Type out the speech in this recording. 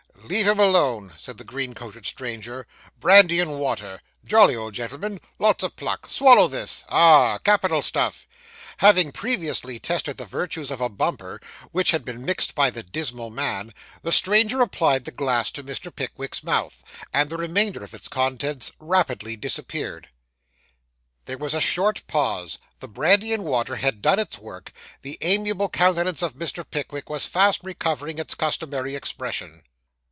'Leave him alone,' said the green coated stranger; 'brandy and water jolly old gentleman lots of pluck swallow this ah! capital stuff.' Having previously tested the virtues of a bumper, which had been mixed by the dismal man, the stranger applied the glass to Mr. Pickwick's mouth; and the remainder of its contents rapidly disappeared. There was a short pause; the brandy and water had done its work; the amiable countenance of Mr. Pickwick was fast recovering its customary expression.